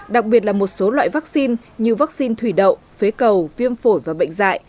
đặc biệt là một số loại vaccine như vaccine thủy đậu phế cầu viêm phổi và bệnh dạy